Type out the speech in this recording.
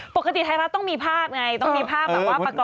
ปกติไทยรัฐต้องมีภาพไงต้องมีภาพแบบว่าประกอบ